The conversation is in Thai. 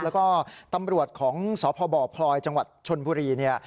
แล้วก็ตำรวจของสพบพลอยจังหวัดชนบุรีเนี่ย